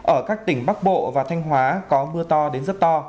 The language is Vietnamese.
ở các tỉnh bắc bộ và thanh hóa có mưa to đến rất to